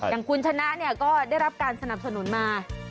อย่างคุณชนะก็ได้รับการสนับสนุนมา